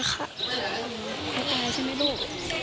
เขาตายใช่ไหมลูก